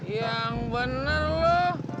yang bener lo